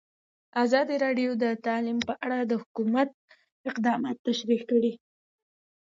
ازادي راډیو د تعلیم په اړه د حکومت اقدامات تشریح کړي.